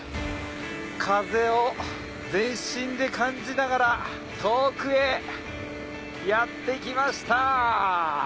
風を全身で感じながら遠くへやって来ました。